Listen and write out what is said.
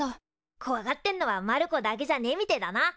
こわがってんのはマルコだけじゃねえみてえだな。